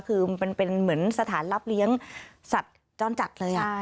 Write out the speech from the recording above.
คือมันเป็นเหมือนสถานรับเลี้ยงสัตว์จรจัดเลย